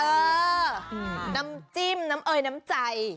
เออน้ำจิ้มน้ำเอยน้ำใจ